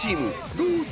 ロース！